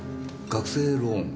学生ローン？